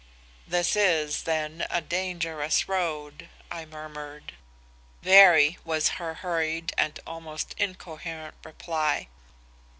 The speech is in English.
"'This is, then, a dangerous road,' I murmured. "'Very,' was her hurried and almost incoherent reply.